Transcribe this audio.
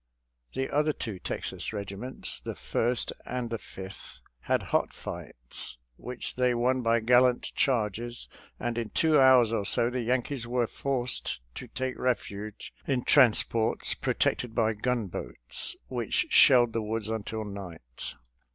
The other two Texas regiments — the First and the Fifth— had hot fights which they won by gallant charges, and in two hours or so the Yankees were forced to take refuge in trans ports protected by gunboats, which shelled the woods until night.